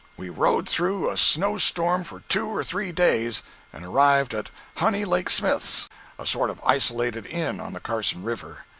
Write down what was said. We rode through a snow storm for two or three days, and arrived at "Honey Lake Smith's," a sort of isolated inn on the Carson river.